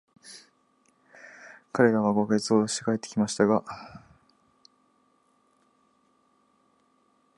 彼等は五ヵ月ほどして帰って来ましたが、飛島でおぼえて来たのは、数学のはしくれでした。